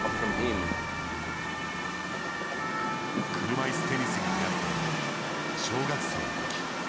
車いすテニスに出会ったのは小学生の時。